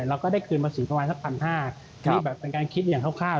เราก็ได้คืนประสีประมาณสัก๑๕๐๐แบบเป็นการคิดอย่างคร่าว